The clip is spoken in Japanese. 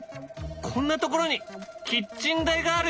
こんなところにキッチン台があるよ！